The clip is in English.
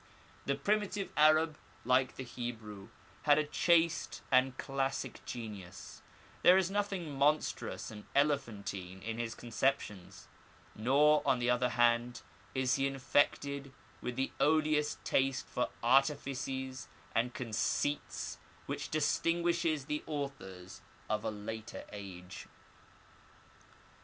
The primitive Arab, like the Hebrew, had a chaste and classic genius ; there is nothing monstrous and elephantine in his conceptions; nor, on the other hand, is he infected with the odious taste for artifices and conceits which distinguishes the authors of a later age.